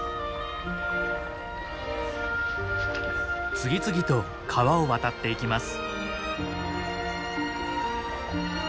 次々と川を渡っていきます。